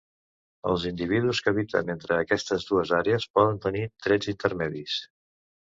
Els individus que habiten entre aquestes dues àrees poden tenir trets intermedis.